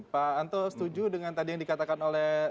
pak anto setuju dengan tadi yang dikatakan oleh